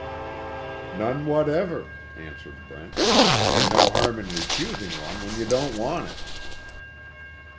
"None whatever," answered Brent, "And no harm in refusing one when you don't want it."